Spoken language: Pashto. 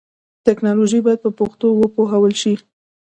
ټکنالوژي باید په پښتو وپوهول شي.